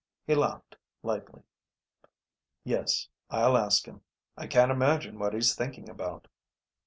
He laughed lightly. "Yes. I'll ask him. I can't imagine what he's thinking about."